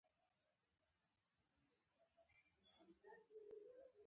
وژنه د ټولنې رنځ ده